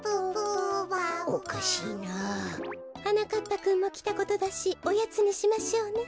ぱくんもきたことだしおやつにしましょうね。